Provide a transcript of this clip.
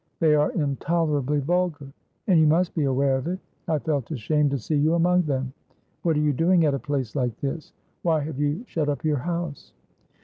"They are intolerably vulgar, and you must be aware of it. I felt ashamed to see you among them. What are you doing at a place like this? Why have you shut up your house?"